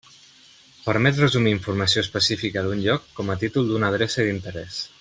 Permet resumir informació específica d'un lloc com a títol d'una adreça d'interès.